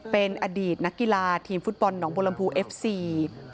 เป็นอดีตนักกีฬาทีมฟุตบอลหนองบัวลำพูเอฟซี